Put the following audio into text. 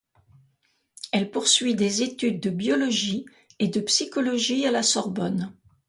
Elle poursuit des études de biologie et de psychologie à la Sorbonne.